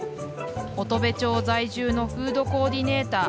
乙部町在住のフードコーディネーター